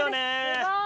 すごい！